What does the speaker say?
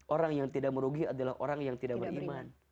orang yang tidak merugi adalah orang yang tidak beriman